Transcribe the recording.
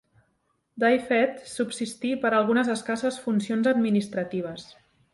Dyfed subsistí per a algunes escasses funcions administratives.